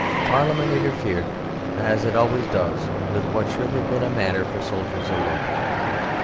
Parliament interfered as it always does with what should have been a matter for soldiers alone.